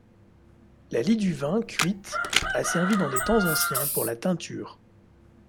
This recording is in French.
La lie de vin, cuite, a servi dans des temps anciens pour la teinture.